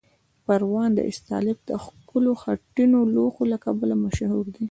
پروان او استالف د ښکلو خټینو لوښو له کبله مشهور دي.